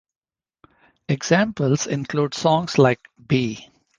Examples include songs like B.